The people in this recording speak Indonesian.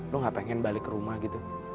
lo gak pengen balik ke rumah gitu